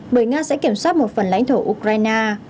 bởi nga sẽ kiểm soát một phần lãnh thổ ukraine